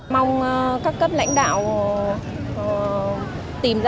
mong các cấp lãnh đạo tìm ra